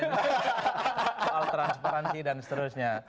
soal transparansi dan seterusnya